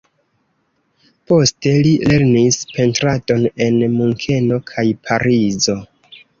Poste li lernis pentradon en Munkeno kaj Parizo.